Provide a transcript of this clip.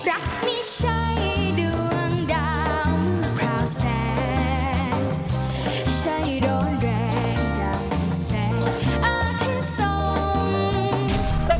อาทิตย์สอง